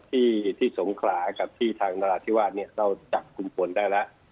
ที่ที่สงขลากับที่ทางนราธิวาสเนี่ยเราจับกลุ่มคนได้แล้ว